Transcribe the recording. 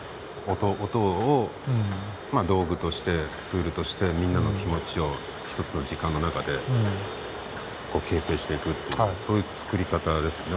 音を道具としてツールとしてみんなの気持ちを一つの時間の中で形成していくっていうそういう作り方ですよね。